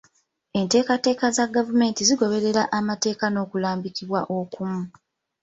Enteekateeka za gavumenti zigoberera amateeka n'okulambikibwa okumu.